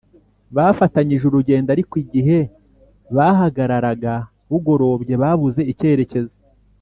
Bafatanyije urugendo ariko igihe bahagararaga bugorobye babuze icyerecyezo